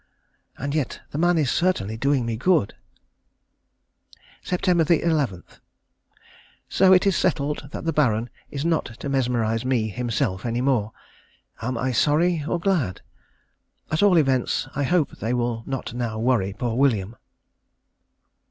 And yet the man is certainly doing me good. Sept. 11. So it is settled that the Baron is not to mesmerise me himself any more. Am I sorry or glad? At all events, I hope they will not now worry poor William....